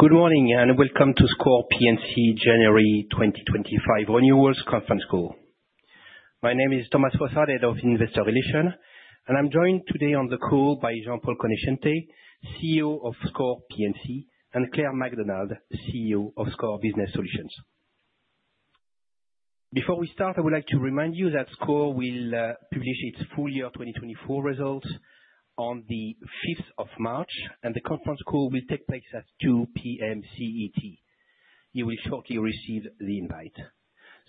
Good morning and welcome to SCOR P&C January 2025 Annual Conference Call. My name is Thomas Fossard of Investor Relations, and I'm joined today on the call by Jean-Paul Conoscente, CEO of SCOR P&C, and Claire McDonald, CEO of SCOR Business Solutions. Before we start, I would like to remind you that SCOR will publish its full year 2024 results on the 5th of March, and the conference call will take place at 2:00 P.M. CET. You will shortly receive the invite.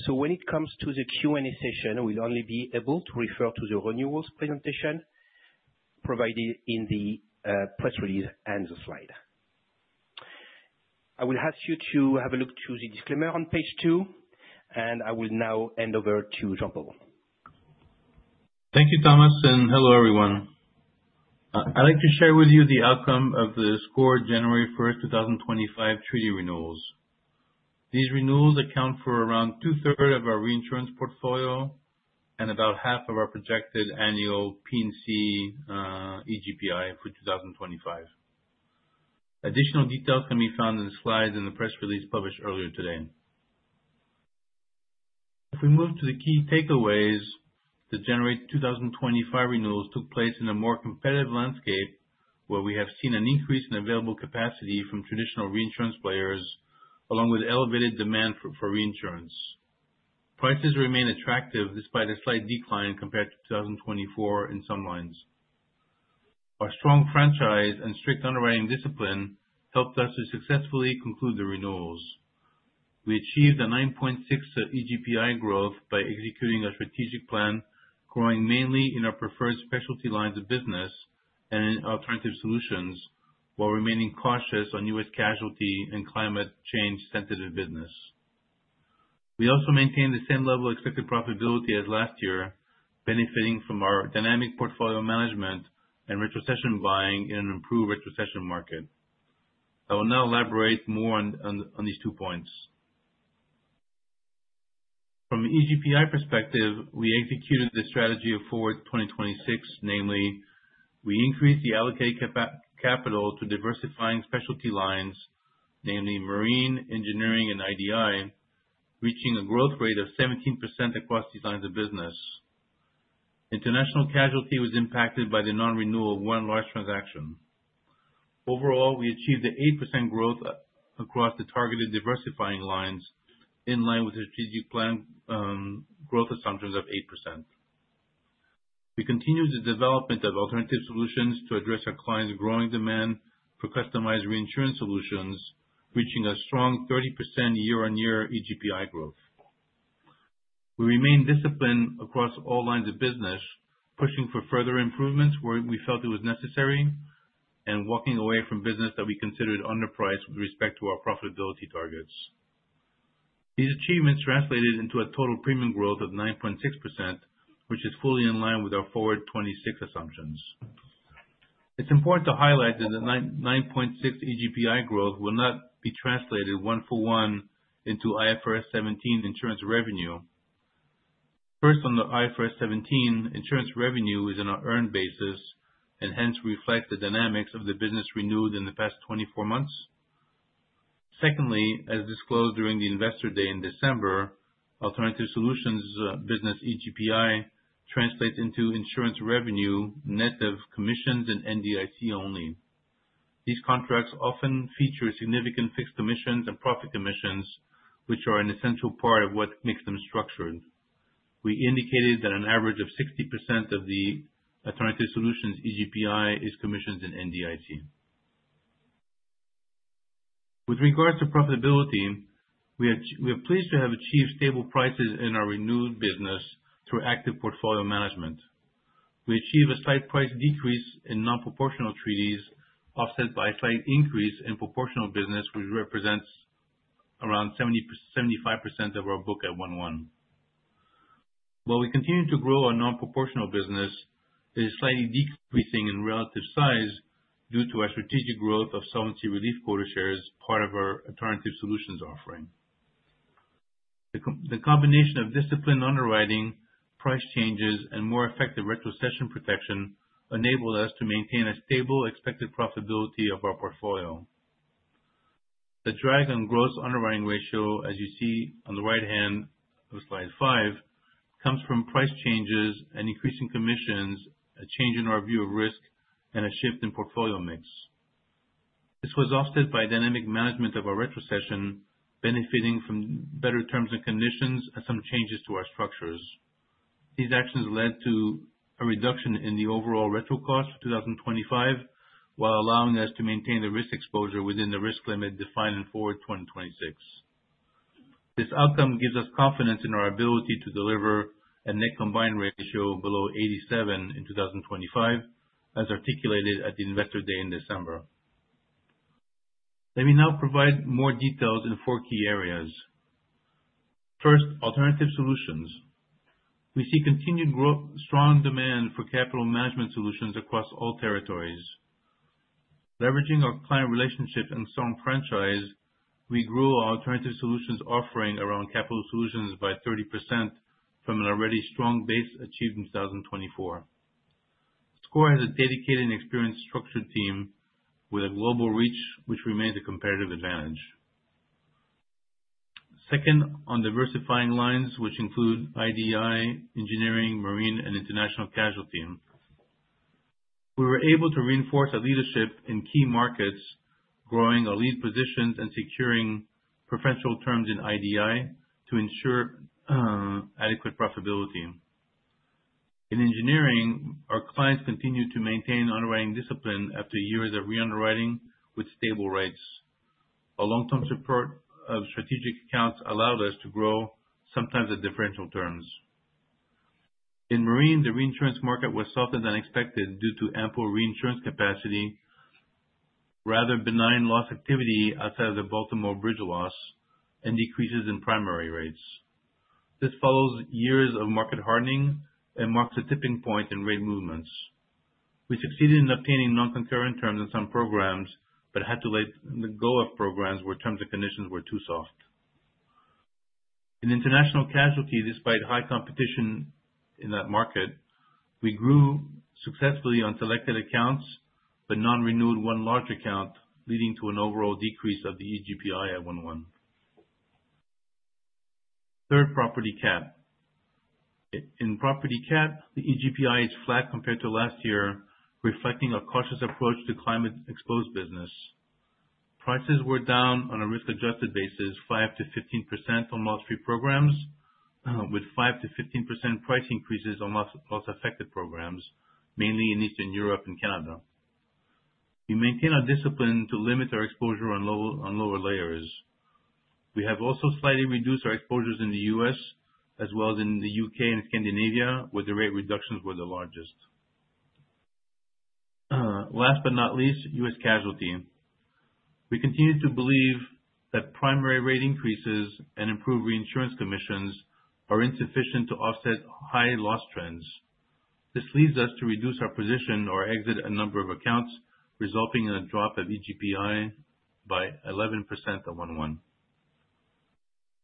So when it comes to the Q&A session, we'll only be able to refer to the annual presentation provided in the press release and the slide. I will ask you to have a look at the disclaimer on page two, and I will now hand over to Jean-Paul. Thank you, Thomas, and hello everyone. I'd like to share with you the outcome of the SCOR January 1st, 2025 treaty renewals. These renewals account for around 2/3 of our reinsurance portfolio and about half of our projected annual P&C EGPI for 2025. Additional details can be found in the slides and the press release published earlier today. If we move to the key takeaways, the January 2025 renewals took place in a more competitive landscape where we have seen an increase in available capacity from traditional reinsurance players, along with elevated demand for reinsurance. Prices remain attractive despite a slight decline compared to 2024 in some lines. Our strong franchise and strict underwriting discipline helped us to successfully conclude the renewals. We achieved a 9.6 EGPI growth by executing a strategic plan, growing mainly in our preferred specialty lines of business and in Alternative Solutions, while remaining cautious on U.S. Casualty and climate change-sensitive business. We also maintained the same level of expected profitability as last year, benefiting from our dynamic portfolio management and retrocession buying in an improved retrocession market. I will now elaborate more on these two points. From an EGPI perspective, we executed the strategy of Forward 2026, namely, we increased the allocated capital to diversifying specialty lines, namely Marine, Engineering, and IDI, reaching a growth rate of 17% across these lines of business. International Casualty was impacted by the non-renewal of one large transaction. Overall, we achieved an 8% growth across the targeted diversifying lines, in line with the strategic plan growth assumptions of 8%. We continued the development of Alternative Solutions to address our clients' growing demand for customized reinsurance solutions, reaching a strong 30% year on year EGPI growth. We remained disciplined across all lines of business, pushing for further improvements where we felt it was necessary and walking away from business that we considered underpriced with respect to our profitability targets. These achievements translated into a total premium growth of 9.6%, which is fully in line with our Forward 2026 assumptions. It's important to highlight that the 9.6 EGPI growth will not be translated one-for-one into IFRS 17 insurance revenue. First, on the IFRS 17, insurance revenue is on an earned basis, and hence, reflects the dynamics of the business renewed in the past 24 months. Secondly, as disclosed during the investor day in December, Alternative Solutions business EGPI translates into insurance revenue net of commissions and NDIC only. These contracts often feature significant fixed commissions and profit commissions, which are an essential part of what makes them structured. We indicated that an average of 60% of the Alternative Solutions EGPI is commissions and NDIC. With regards to profitability, we are pleased to have achieved stable prices in our renewed business through active portfolio management. We achieved a slight price decrease in non-proportional treaties, offset by a slight increase in proportional business, which represents around 75% of our book at 1-1. While we continue to grow our non-proportional business, it is slightly decreasing in relative size due to our strategic growth of Solvency Relief Quota Share, part of our Alternative Solutions offering. The combination of disciplined underwriting, price changes, and more effective retrocession protection enabled us to maintain a stable expected profitability of our portfolio. The drag on gross underwriting ratio, as you see on the right hand of slide five, comes from price changes and increasing commissions, a change in our view of risk, and a shift in portfolio mix. This was offset by dynamic management of our retrocession, benefiting from better terms and conditions and some changes to our structures. These actions led to a reduction in the overall retro cost for 2025, while allowing us to maintain the risk exposure within the risk limit defined in Forward 2026. This outcome gives us confidence in our ability to deliver a net combined ratio below 87% in 2025, as articulated at the Investor Day in December. Let me now provide more details in four key areas. First, Alternative Solutions. We see continued growth, strong demand for capital management solutions across all territories. Leveraging our client relationships and strong franchise, we grew our Alternative Solutions offering around capital solutions by 30% from an already strong base achieved in 2024. SCOR has a dedicated and experienced structured team with a global reach, which remains a competitive advantage. Second, on diversifying lines, which include IDI, Engineering, Marine, and International Casualty. We were able to reinforce our leadership in key markets, growing our lead positions and securing preferential terms in IDI to ensure adequate profitability. In Engineering, our clients continue to maintain underwriting discipline after years of re-underwriting with stable rates. Our long-term support of strategic accounts allowed us to grow, sometimes at differential terms. In Marine, the reinsurance market was softer than expected due to ample reinsurance capacity, rather benign loss activity outside of the Baltimore Bridge loss, and decreases in primary rates. This follows years of market hardening and marks a tipping point in rate movements. We succeeded in obtaining non-concurrent terms in some programs, but had to let go of programs where terms and conditions were too soft. In International Casualty, despite high competition in that market, we grew successfully on selected accounts but non-renewed one large account, leading to an overall decrease of the EGPI at 1-1. Third, Property Cat. In Property Cat, the EGPI is flat compared to last year, reflecting a cautious approach to climate-exposed business. Prices were down on a risk-adjusted basis, 5%-15% on most free programs, with 5%-15% price increases on most affected programs, mainly in Eastern Europe and Canada. We maintain our discipline to limit our exposure on lower layers. We have also slightly reduced our exposures in the U.S. as well as in the U.K. and Scandinavia, where the rate reductions were the largest. Last but not least, U.S. Casualty. We continue to believe that primary rate increases and improved reinsurance commissions are insufficient to offset high loss trends. This leads us to reduce our position or exit a number of accounts, resulting in a drop of EGPI by 11% at 1-1.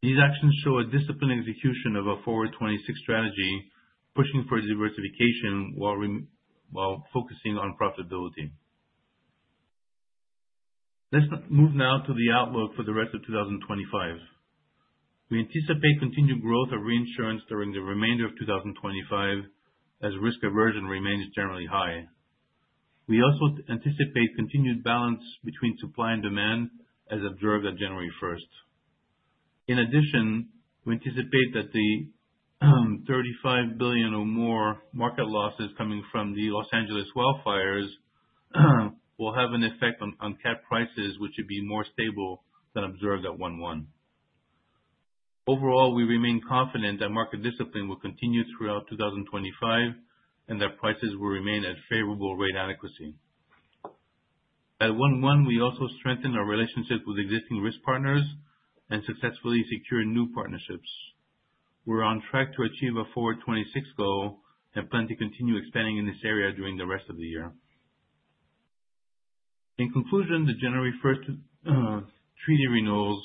These actions show a disciplined execution of a Forward 2026 strategy, pushing for diversification while focusing on profitability. Let's move now to the outlook for the rest of 2025. We anticipate continued growth of reinsurance during the remainder of 2025, as risk aversion remains generally high. We also anticipate continued balance between supply and demand, as observed on January 1st. In addition, we anticipate that the $35 billion or more market losses coming from the Los Angeles wildfires will have an effect on cat prices, which should be more stable than observed at 1-1. Overall, we remain confident that market discipline will continue throughout 2025 and that prices will remain at favorable rate adequacy. At 1-1, we also strengthen our relationship with existing risk partners and successfully secure new partnerships. We're on track to achieve a Forward 2026 goal and plan to continue expanding in this area during the rest of the year. In conclusion, the January 1st treaty renewals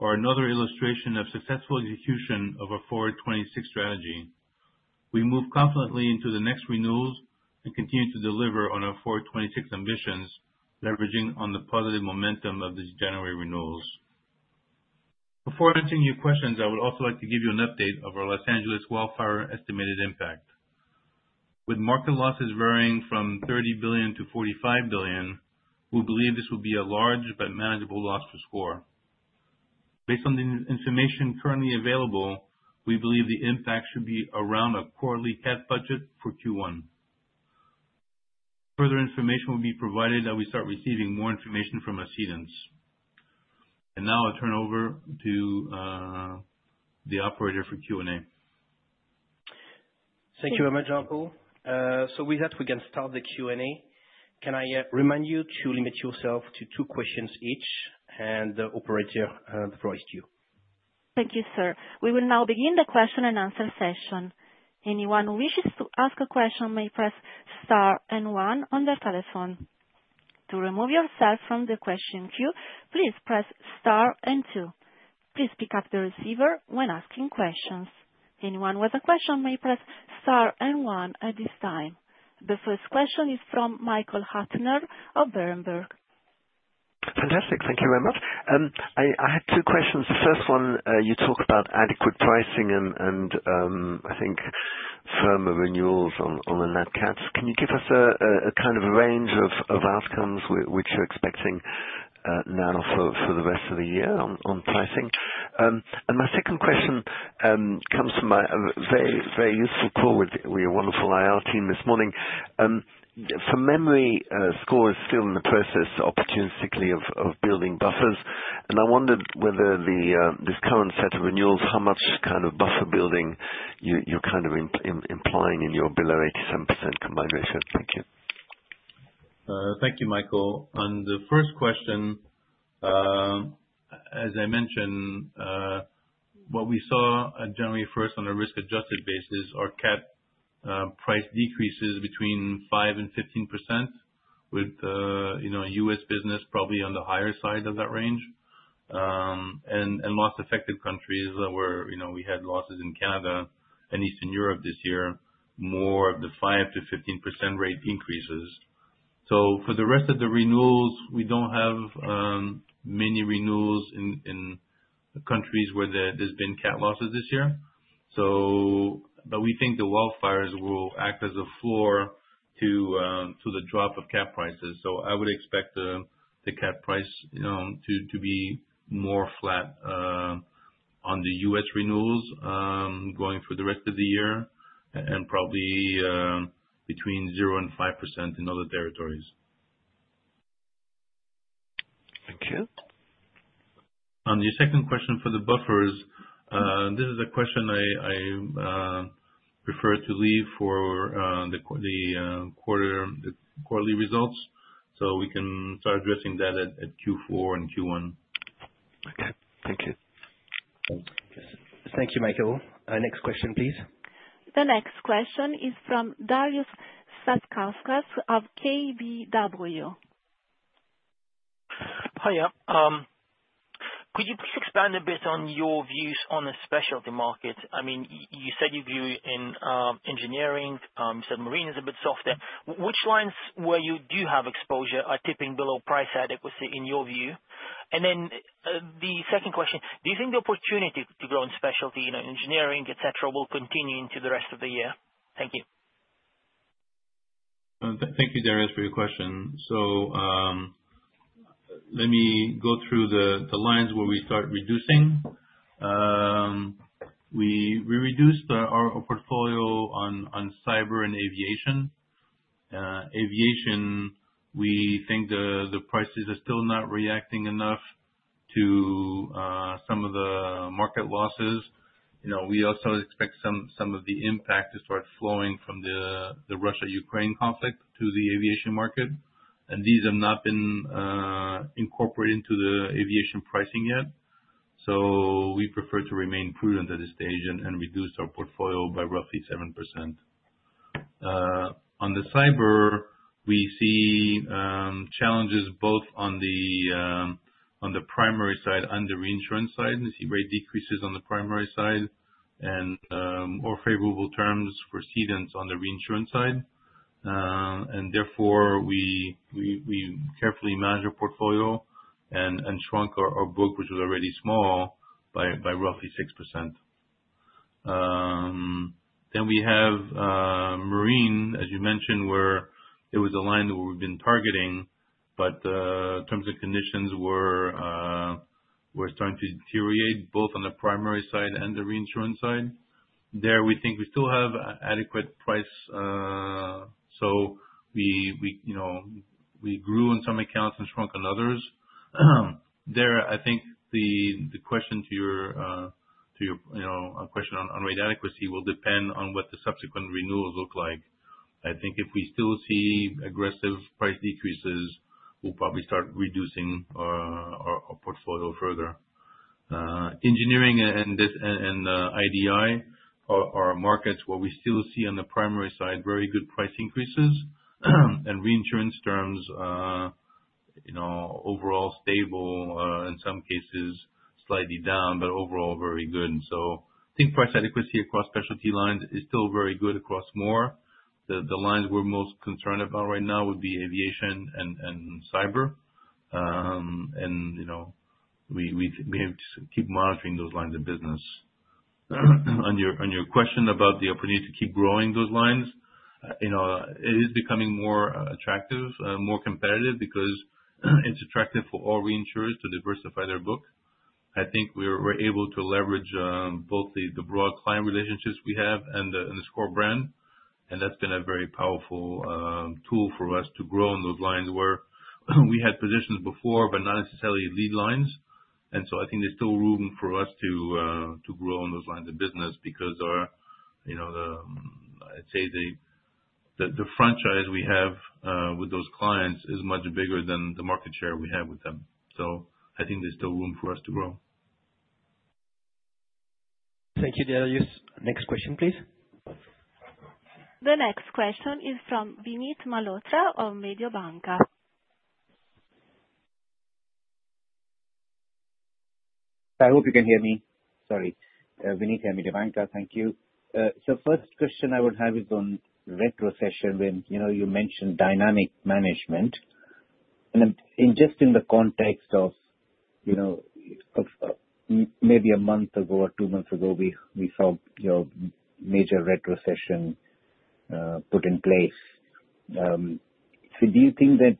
are another illustration of successful execution of our Forward 2026 strategy. We move confidently into the next renewals and continue to deliver on our Forward 2026 ambitions, leveraging on the positive momentum of the January renewals. Before answering your questions, I would also like to give you an update of our Los Angeles wildfire estimated impact. With market losses varying from $30 billion-$45 billion, we believe this will be a large but manageable loss for SCOR. Based on the information currently available, we believe the impact should be around a quarterly cap budget for Q1. Further information will be provided as we start receiving more information from our cedents. And now I'll turn over to the operator for Q&A. Thank you very much, Jean-Paul. So with that, we can start the Q&A. Can I remind you to limit yourself to two questions each, and the operator, the first question. Thank you, sir. We will now begin the question and answer session. Anyone who wishes to ask a question may press star and one on their telephone. To remove yourself from the question queue, please press star and two. Please pick up the receiver when asking questions. Anyone with a question may press star and one at this time. The first question is from Michael Huttner of Berenberg. Fantastic. Thank you very much. I had two questions. The first one, you talk about adequate pricing and, I think, firmer renewals on the NATCATs. Can you give us a kind of range of outcomes which you're expecting now for the rest of the year on pricing? And my second question comes from a very, very useful call with your wonderful IR team this morning. From memory, SCOR is still in the process, opportunistically, of building buffers. And I wondered whether this current set of renewals, how much kind of buffer building you're kind of implying in your below 87% combined ratio. Thank you. Thank you, Michael. And the first question, as I mentioned, what we saw on January 1st on a risk-adjusted basis are cat price decreases between 5%-15%, with U.S. business probably on the higher side of that range. And most affected countries that we had losses in Canada and Eastern Europe this year, more of the 5%-15% rate increases. So, for the rest of the renewals, we don't have many renewals in countries where there's been cat losses this year. But we think the wildfires will act as a floor to the drop of cat prices. So, I would expect the cat price to be more flat on the U.S. renewals going for the rest of the year and probably between 0%-5% in other territories. Thank you. On your second question for the buffers, this is a question I prefer to leave for the quarterly results, so we can start addressing that at Q4 and Q1. Okay. Thank you. Thank you, Michael. Next question, please. The next question is from Darius Satkauskas of KBW. Hiya. Could you please expand a bit on your views on the specialty market? I mean, you said your view on Engineering. You said Marine is a bit softer. Which lines where you do have exposure are tipping below price adequacy in your view? And then the second question, do you think the opportunity to grow in Specialty and Engineering, etc., will continue into the rest of the year? Thank you. Thank you, Darius, for your question. So, let me go through the lines where we start reducing. We reduced our portfolio on cyber and aviation. Aviation, we think the prices are still not reacting enough to some of the market losses. We also expect some of the impact to start flowing from the Russia-Ukraine conflict to the aviation market. And these have not been incorporated into the aviation pricing yet. S,o we prefer to remain prudent at this stage and reduce our portfolio by roughly 7%. On the cyber, we see challenges both on the primary side, on the reinsurance side. We see rate decreases on the primary side and more favorable terms for cedents on the reinsurance side. And therefore, we carefully manage our portfolio and shrunk our book, which was already small, by roughly 6%. Then we have Marine, as you mentioned, where it was a line that we've been targeting, but terms and conditions were starting to deteriorate both on the primary side and the reinsurance side. There, we think we still have adequate price. So, we grew on some accounts and shrunk on others. There, I think the question to your question on rate adequacy will depend on what the subsequent renewals look like. I think if we still see aggressive price decreases, we'll probably start reducing our portfolio further. Engineering and IDI are markets where we still see on the primary side very good price increases and reinsurance terms overall stable. In some cases, slightly down, but overall, very good. So, I think price adequacy across Specialty lines is still very good across more. The lines we're most concerned about right now would be Aviation and Cyber. We have to keep monitoring those lines of business. On your question about the opportunity to keep growing those lines, it is becoming more attractive, more competitive because it's attractive for all reinsurers to diversify their book. I think we're able to leverage both the broad client relationships we have and the SCOR brand. That's been a very powerful tool for us to grow in those lines where we had positions before but not necessarily lead lines. I think there's still room for us to grow on those lines of business because I'd say the franchise we have with those clients is much bigger than the market share we have with them. I think there's still room for us to grow. Thank you, Darius. Next question, please. The next question is from Vinit Malhotra of Mediobanca. I hope you can hear me. Sorry. Vinit, Mediobanca, thank you. So, first question I would have is on retrocession when you mentioned dynamic management. And just in the context of maybe a month ago or two months ago, we saw major retrocession put in place. So, do you think that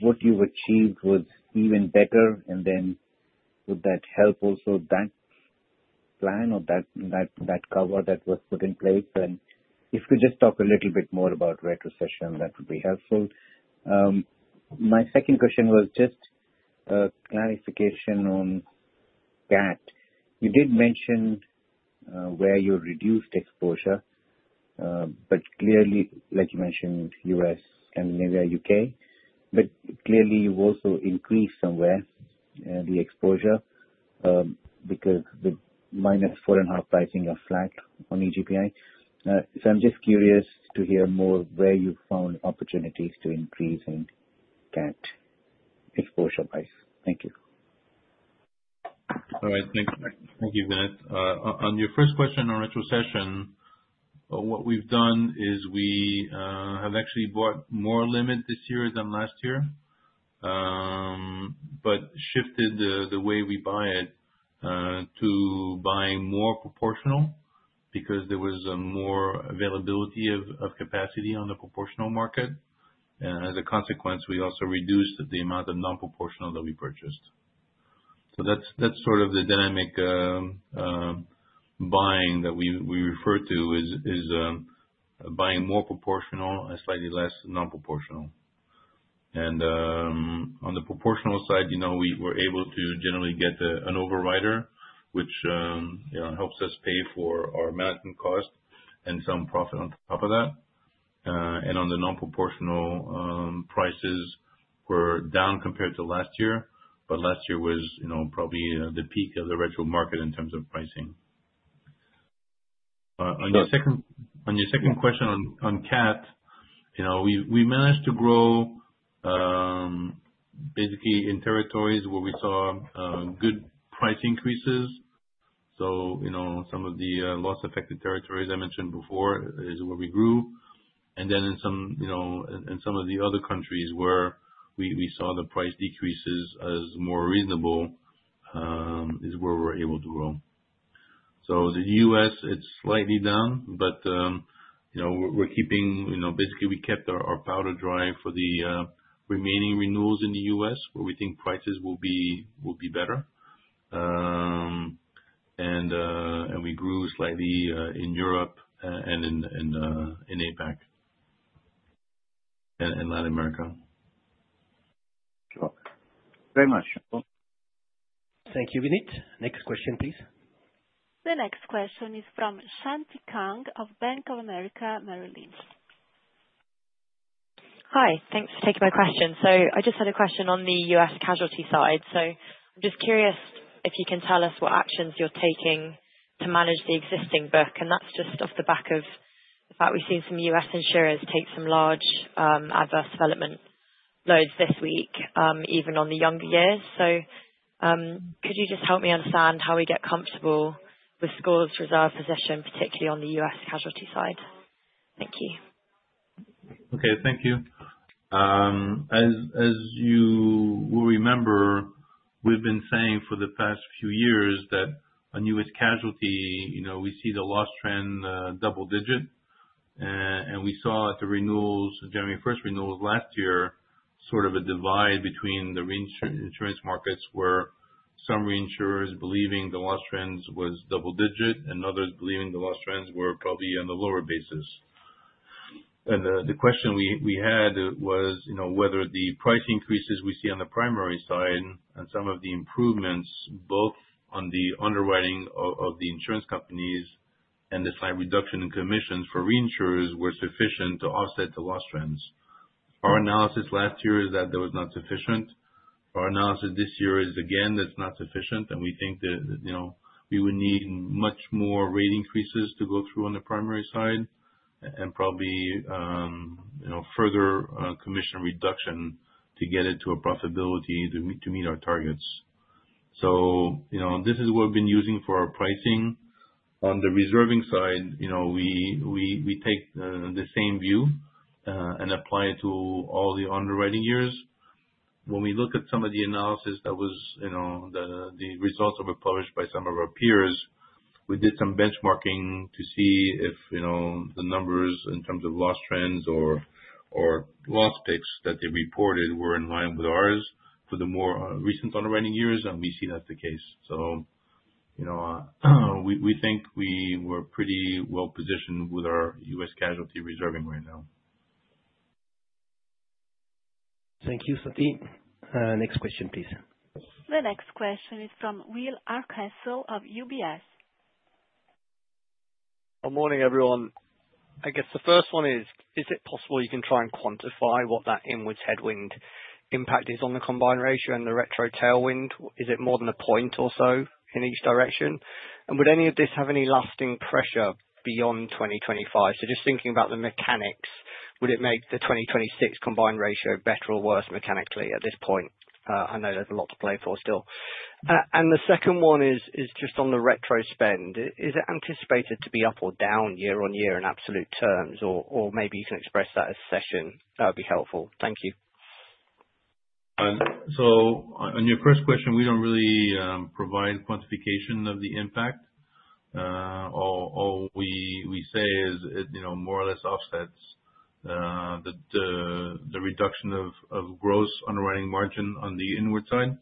what you've achieved was even better? And then would that help also that plan or that cover that was put in place? And if you could just talk a little bit more about retrocession, that would be helpful. My second question was just clarification on that. You did mention where you reduced exposure, but clearly, like you mentioned, U.S., Scandinavia, U.K., but clearly you've also increased somewhere the exposure because the -4.5% pricing are flat on EGPI. So I'm just curious to hear more where you found opportunities to increase in cat exposure-wise. Thank you. All right. Thank you, Vinit. On your first question on retrocession, what we've done is we have actually bought more limit this year than last year, but shifted the way we buy it to buy more proportional because there was more availability of capacity on the proportional market. And as a consequence, we also reduced the amount of non-proportional that we purchased. So, that's sort of the dynamic buying that we refer to as buying more proportional and slightly less non-proportional. And on the proportional side, we were able to generally get an overrider, which helps us pay for our management cost and some profit on top of that. And on the non-proportional prices, we're down compared to last year, but last year was probably the peak of the retro market in terms of pricing. On your second question on cat, we managed to grow basically in territories where we saw good price increases. So, some of the loss-affected territories I mentioned before is where we grew. And then in some of the other countries where we saw the price decreases as more reasonable is where we're able to grow. So, the U.S., it's slightly down, but we're keeping basically we kept our powder dry for the remaining renewals in the U.S. where we think prices will be better. And we grew slightly in Europe and in APAC and Latin America. Sure. Very much. Thank you, Vinit. Next question, please. The next question is from Shanti Kang of Bank of America, Merrill Lynch. Hi. Thanks for taking my question. So, I just had a question on the U.S. Casualty side. So, I'm just curious if you can tell us what actions you're taking to manage the existing book. And that's just off the back of the fact we've seen some U.S. insurers take some large adverse development loads this week, even on the younger years. So, could you just help me understand how we get comfortable with SCOR's reserve position, particularly on the U.S. Casualty side? Thank you. Okay. Thank you. As you will remember, we've been saying for the past few years that on U.S. Casualty, we see the loss trend double-digit. We saw at the renewals, January 1st renewals last year, sort of a divide between the reinsurance markets where some reinsurers believing the loss trends was double-digit and others believing the loss trends were probably on the lower basis. The question we had was whether the price increases we see on the primary side and some of the improvements both on the underwriting of the insurance companies and the slight reduction in commissions for reinsurers were sufficient to offset the loss trends. Our analysis last year is that that was not sufficient. Our analysis this year is, again, that's not sufficient. And we think that we would need much more rate increases to go through on the primary side and probably further commission reduction to get it to a profitability to meet our targets. So, this is what we've been using for our pricing. On the reserving side, we take the same view and apply it to all the underwriting years. When we look at some of the analysis that was the results that were published by some of our peers, we did some benchmarking to see if the numbers in terms of loss trends or loss picks that they reported were in line with ours for the more recent underwriting years. And we see that's the case. So, we think we were pretty well positioned with our U.S. Casualty reserving right now. Thank you, Shanti. Next question, please. The next question is from Will Hardcastle of UBS. Good morning, everyone. I guess the first one is, is it possible you can try and quantify what that inwards headwind impact is on the combined ratio and the retro tailwind? Is it more than a point or so in each direction? And would any of this have any lasting pressure beyond 2025? So just thinking about the mechanics, would it make the 2026 combined ratio better or worse mechanically at this point? I know there's a lot to play for still. And the second one is just on the retro spend. Is it anticipated to be up or down year on year in absolute terms? Or maybe you can express that as cession. That would be helpful. Thank you. So, on your first question, we don't really provide quantification of the impact. All we say is it more or less offsets the reduction of gross underwriting margin on the inward side.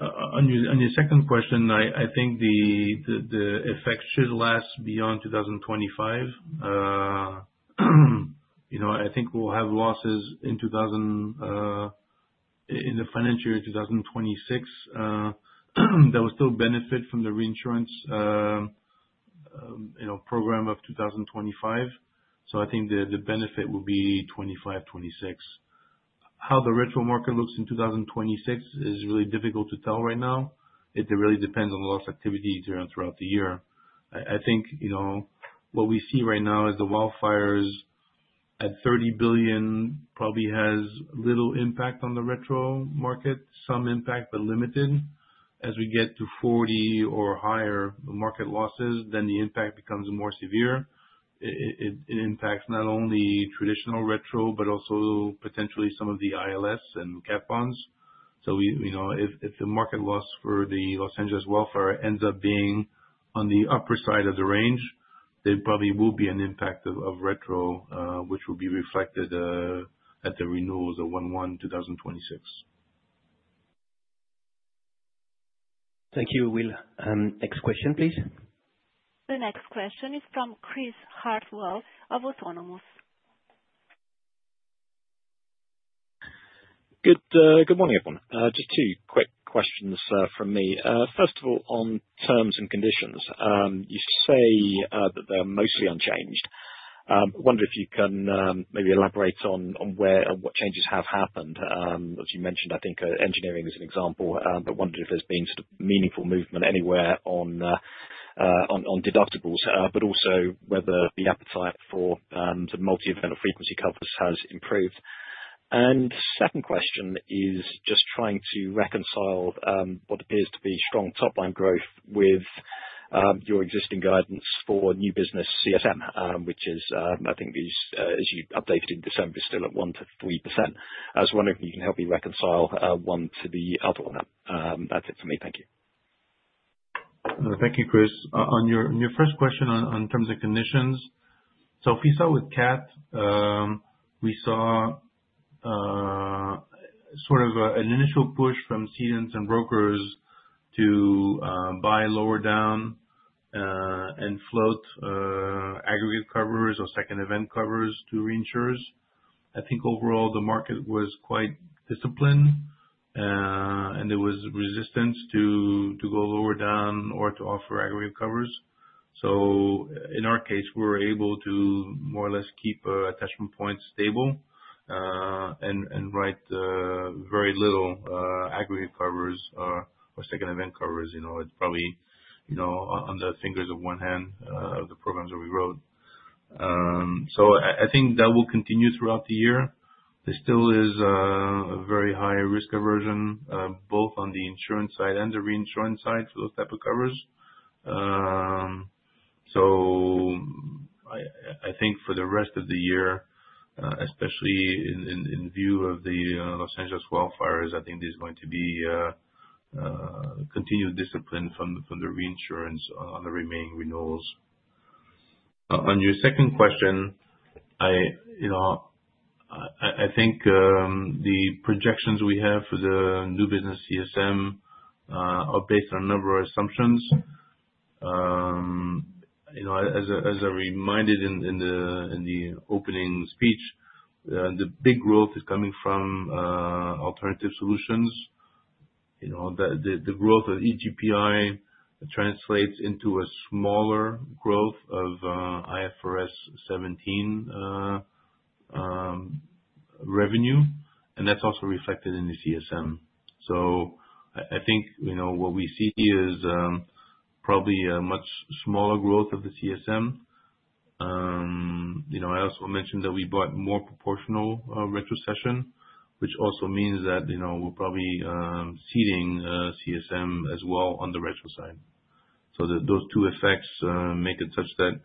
On your second question, I think the effect should last beyond 2025. I think we'll have losses in the financial year 2026 that will still benefit from the reinsurance program of 2025. So, I think the benefit will be 2025, 2026. How the retro market looks in 2026 is really difficult to tell right now. It really depends on the loss activity throughout the year. I think what we see right now is the wildfires at $30 billion probably has little impact on the retro market, some impact, but limited. As we get to $40 billion or higher market losses, then the impact becomes more severe. It impacts not only traditional retro, but also potentially some of the ILS and cat bonds. So, if the market loss for the Los Angeles wildfires ends up being on the upper side of the range, there probably will be an impact of retro, which will be reflected at the renewals of 1/1, 2026. Thank you, Will. Next question, please. The next question is from Chris Hartwell of Autonomous. Good morning, everyone. Just two quick questions from me. First of all, on terms and conditions, you say that they're mostly unchanged. I wonder if you can maybe elaborate on where and what changes have happened? As you mentioned, I think Engineering is an example, but wondered if there's been sort of meaningful movement anywhere on deductibles, but also whether the appetite for some multi-event or frequency cover has improved? And second question is just trying to reconcile what appears to be strong top-line growth with your existing guidance for new business CSM, which is, I think, as you updated in December, still at 1%-3%. I just wonder if you can help me reconcile one to the other one? That's it for me. Thank you. Thank you, Chris. On your first question on terms and conditions, so if we start with cat, we saw sort of an initial push from cedents and brokers to buy lower down and float aggregate covers or second event covers to reinsurers. I think overall, the market was quite disciplined, and there was resistance to go lower down or to offer aggregate covers. So, in our case, we were able to more or less keep attachment points stable and write very little aggregate covers or second event covers. It's probably on the fingers of one hand, the programs that we wrote. So, I think that will continue throughout the year. There still is a very high risk aversion both on the insurance side and the reinsurance side for those type of covers. So, I think for the rest of the year, especially in view of the Los Angeles wildfires, I think there's going to be continued discipline from the reinsurance on the remaining renewals. On your second question, I think the projections we have for the new business CSM are based on a number of assumptions. As I reminded in the opening speech, the big growth is coming from Alternative Solutions. The growth of EGPI translates into a smaller growth of IFRS 17 revenue, and that's also reflected in the CSM. So I think what we see is probably a much smaller growth of the CSM. I also mentioned that we bought more proportional retrocession, which also means that we're probably ceding CSM as well on the retro side. So those two effects make it such that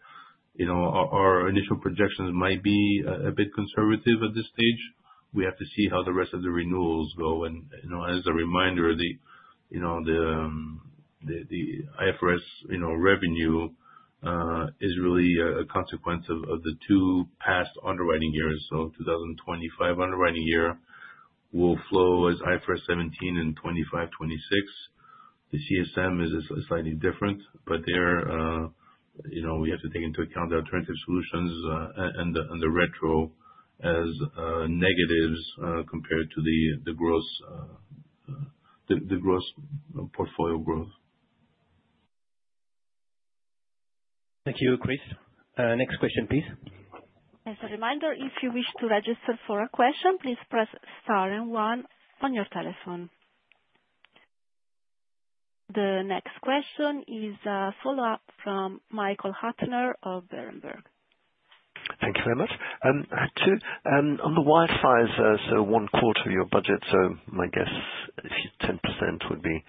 our initial projections might be a bit conservative at this stage. We have to see how the rest of the renewals go. And as a reminder, the IFRS revenue is really a consequence of the two past underwriting years. So 2025 underwriting year will flow as IFRS 17 and 25, 26. The CSM is slightly different, but we have to take into account the Alternative Solutions and the retro as negatives compared to the gross portfolio growth. Thank you, Chris. Next question, please. As a reminder, if you wish to register for a question, please press star and one on your telephone. The next question is a follow-up from Michael Huttner of Berenberg. Thank you very much. On the wildfires, so one quarter of your budget, so my guess if you 10% would be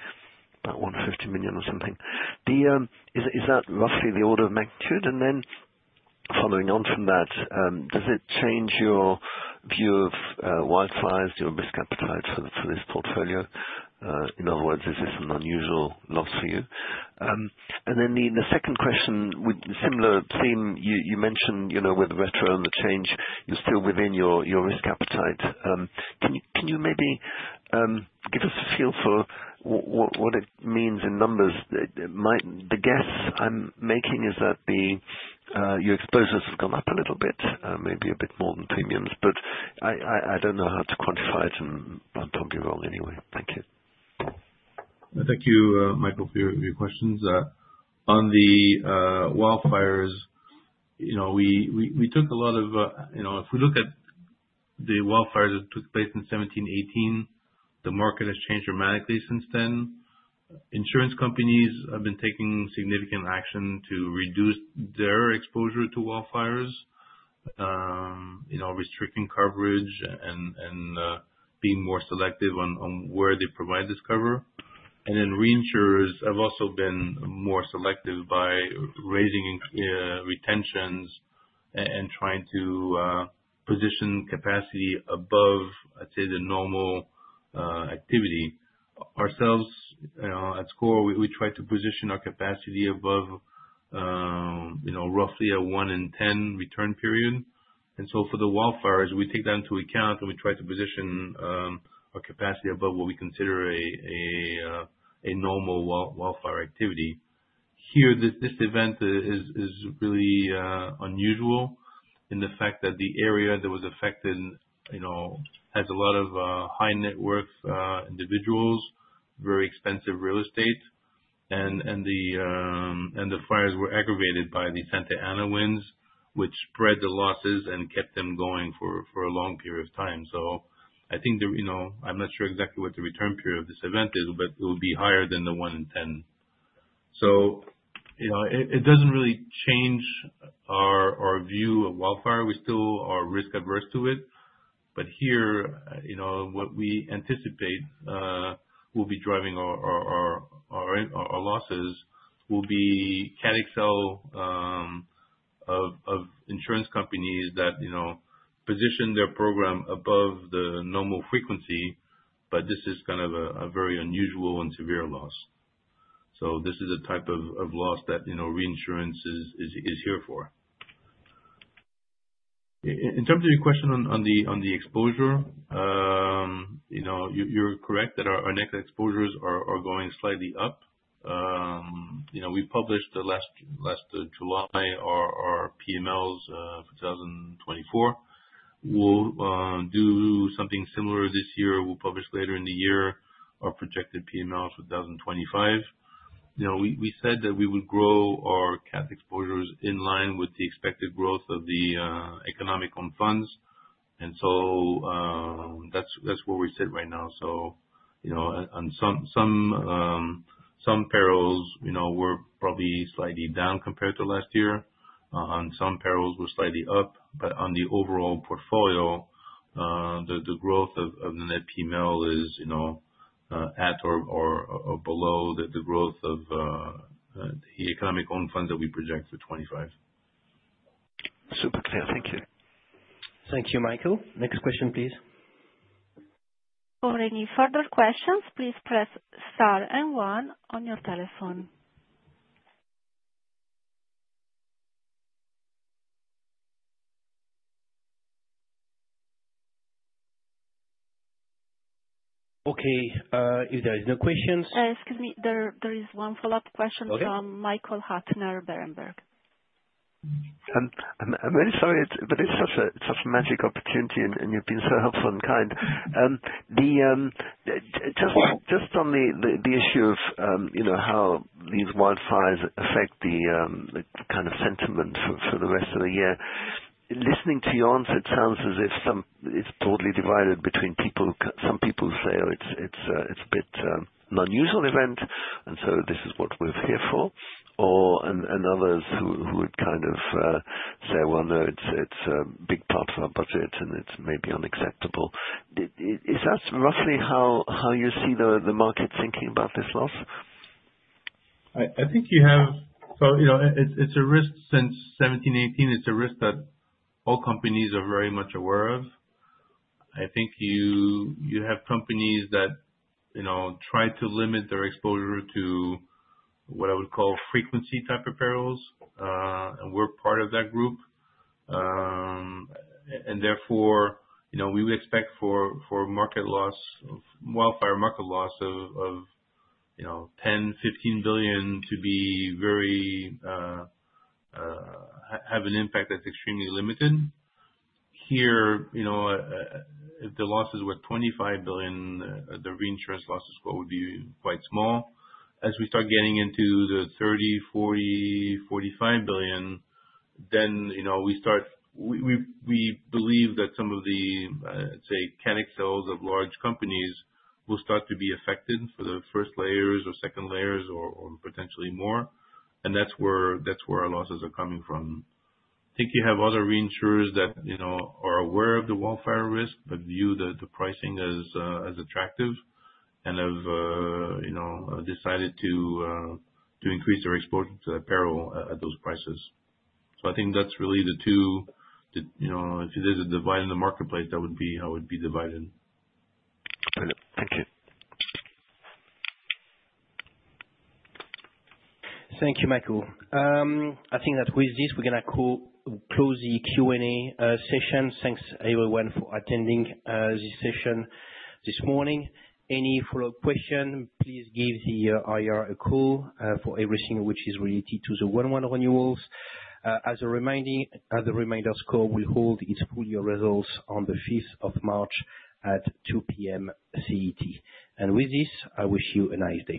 about 150 million or something. Is that roughly the order of magnitude? And then following on from that, does it change your view of wildfires, your risk appetite for this portfolio? In other words, is this an unusual loss for you? And then the second question, with similar theme, you mentioned with retro and the change, you're still within your risk appetite. Can you maybe give us a feel for what it means in numbers? The guess I'm making is that your exposures have gone up a little bit, maybe a bit more than premiums, but I don't know how to quantify it, and I'll probably be wrong anyway. Thank you. Thank you, Michael, for your questions. On the wildfires, if we look at the wildfires that took place in 2017, 2018, the market has changed dramatically since then. Insurance companies have been taking significant action to reduce their exposure to wildfires, restricting coverage and being more selective on where they provide this cover. And then reinsurers have also been more selective by raising retentions and trying to position capacity above, I'd say, the normal activity. Ourselves, at SCOR, we try to position our capacity above roughly a 1-in-10 return period. So, for the wildfires, we take that into account, and we try to position our capacity above what we consider a normal wildfire activity. Here, this event is really unusual in the fact that the area that was affected has a lot of high-net-worth individuals, very expensive real estate, and the fires were aggravated by the Santa Ana Winds, which spread the losses and kept them going for a long period of time. So, I think I'm not sure exactly what the return period of this event is, but it will be higher than the 1-in-10. So, it doesn't really change our view of wildfire. We still are risk-averse to it. But here, what we anticipate will be driving our losses will be Cat XoL of insurance companies that position their program above the normal frequency, but this is kind of a very unusual and severe loss. So, this is the type of loss that reinsurance is here for. In terms of your question on the exposure, you're correct that our net exposures are going slightly up. We published last July our PMLs for 2024. We'll do something similar this year. We'll publish later in the year our projected PMLs for 2025. We said that we would grow our cat exposures in line with the expected growth of the economic own funds. And so that's where we sit right now. So, on some perils, we're probably slightly down compared to last year. On some perils, we're slightly up. But on the overall portfolio, the growth of the net PML is at or below the growth of the economic own funds that we project for 2025. Super clear. Thank you. Thank you, Michael. Next question, please. For any further questions, please press star and one on your telephone. Okay. If there are no questions. Excuse me. There is one follow-up question from Michael Huttner of Berenberg. I'm very sorry, but it's such a magic opportunity, and you've been so helpful and kind. Just on the issue of how these wildfires affect the kind of sentiment for the rest of the year. Listening to your answer, it sounds as if it's broadly divided between some people who say, "Oh, it's a bit an unusual event, and so this is what we're here for," and others who would kind of say, "Well, no, it's a big part of our budget, and it's maybe unacceptable." Is that roughly how you see the market thinking about this loss? I think you have. So, it's a risk since 2017-2018. It's a risk that all companies are very much aware of. I think you have companies that try to limit their exposure to what I would call frequency type of perils, and we're part of that group. And therefore, we would expect for wildfire market loss of $10 billion-$15 billion to have an impact that's extremely limited. Here, if the losses were $25 billion, the reinsurance losses would be quite small. As we start getting into the $30 billion, $40 billion, $45 billion, then we believe that some of the, let's say, Cat XoLs of large companies will start to be affected for the first layers or second layers or potentially more. And that's where our losses are coming from. I think you have other reinsurers that are aware of the wildfire risk but view the pricing as attractive and have decided to increase their exposure to the peril at those prices, so I think that's really the two if there's a divide in the marketplace, that would be how it would be divided. Thank you. Thank you, Michael. I think that with this, we're going to close the Q&A session. Thanks, everyone, for attending this session this morning. Any follow-up question, please give the IR a call for everything which is related to the one-month renewals. As a reminder, SCOR will hold its full year results on the 5th of March at 2:00 P.M. CET. And with this, I wish you a nice day.